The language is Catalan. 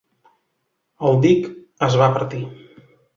El dic es va partir.